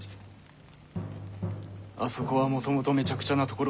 あそこはもともとめちゃくちゃなところ。